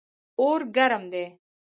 اور ګرم دی.